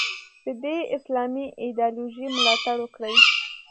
د دې اسلامي ایدیالوژۍ ملاتړ وکړي.